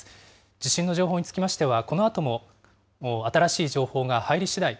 地震の情報につきましては、このあとも新しい情報が入りしだい